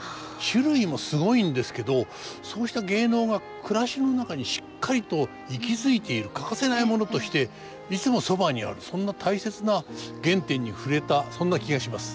種類もすごいんですけどそうした芸能が暮らしの中にしっかりと息づいている欠かせないものとしていつもそばにあるそんな大切な原点に触れたそんな気がします。